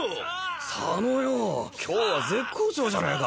左之よぉ今日は絶好調じゃねえか。